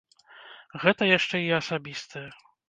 Гэта яшчэ і асабістае.